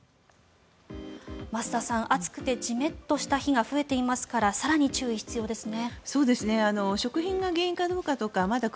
増田さん、暑くてじめっとした日が増えていますから更に注意が必要ですね。